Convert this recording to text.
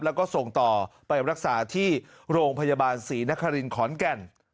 แล้วก็ส่งต่อไปรักษาที่โรงพยาบาลศรีนครินขอนแก่น